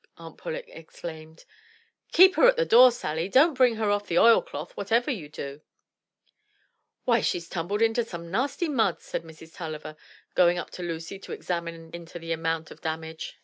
Aunt Pullet exclaimed, "Keep her at the door, Sally ! Don't bring her off the oil cloth, whatever you do !" "Why she's timibled into some nasty mud," said Mrs. Tulliver, going up to Lucy to examine into the amount of damage.